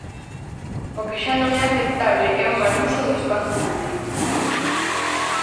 O que xa non é aceptable é o mal uso do espazo público.